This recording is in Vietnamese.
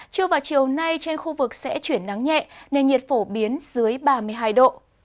trưa và chiều nay trên khu vực sẽ chuyển nắng nhẹ nền nhiệt phổ biến dưới ba mươi hai độ